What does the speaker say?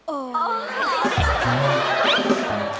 โอ๊ย